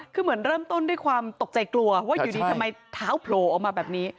คือเหมือนเริ่มต้นด้วยความตกใจกลัวว่าอยู่ดีทำไมเท้าโผล่ออกมาแบบนี้